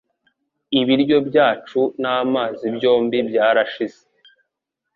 Ibiryo byacu n'amazi byombi byarashize